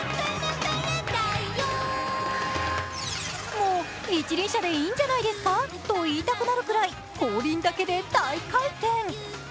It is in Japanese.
もう一輪車でいいんじゃないですか？と言いたくなるぐらい後輪だけで大回転。